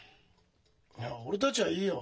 いや俺たちはいいよ。